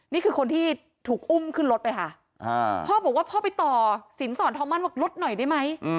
นี่คือคนที่ถูกอุ้มขึ้นรถไปค่ะพ่อบอกว่าพ่อไปต่อสินสอนทองมั่นว่าลดหน่อยได้ไหม